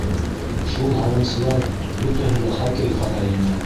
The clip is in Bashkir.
Шул һауынсылар бөтәһе лә хоккей ҡарай ине.